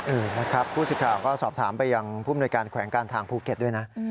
เออนะครับผู้สิทธิ์ข่าวก็สอบถามไปยังผู้มนวยการแขวงการทางภูเก็ตด้วยนะ